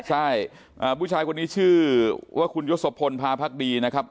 ใช่ผู้ชายคนนี้ชื่อว่าคุณยศพลพาพักดีนะครับ